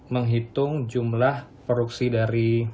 menghitung jumlah produksi dari